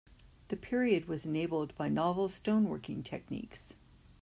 The period was enabled by novel stone working techniques.